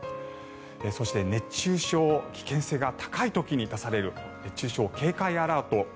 そして、熱中症危険性が高い時に出される熱中症警戒アラート。